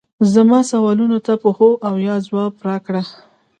زما سوالونو ته په هو او یا ځواب راکړه